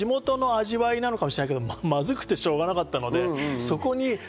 これが地元の味わいなのかもしれないけどマズくてしょうがなかった。